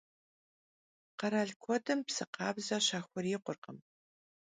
Kheral kuedım psı khabze şaxurikhurkhım.